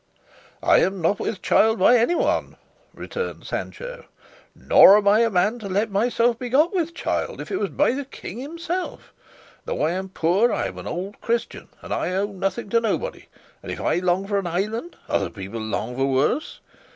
"I am not with child by anyone," returned Sancho, "nor am I a man to let myself be got with child, if it was by the King himself. Though I am poor I am an old Christian, and I owe nothing to nobody, and if I long for an island, other people long for worse.